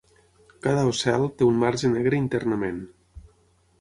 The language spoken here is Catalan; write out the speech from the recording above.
Cada ocel té un marge negre internament.